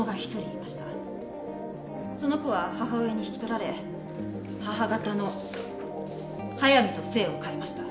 その子は母親に引き取られ母方の早水と姓を変えました。